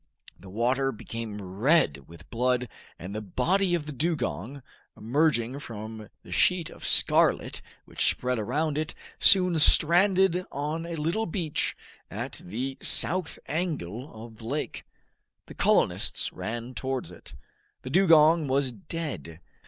The water became red with blood, and the body of the dugong, emerging from the sheet of scarlet which spread around, soon stranded on a little beach at the south angle of the lake. The colonists ran towards it. The dugong was dead.